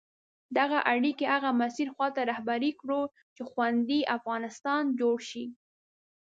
دغه اړیکي هغه مسیر خواته رهبري کړو چې خوندي افغانستان جوړ شي.